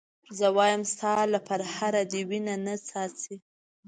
زه وایم ستا له پرهره دې وینه نه څاڅي.